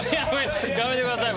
やめてください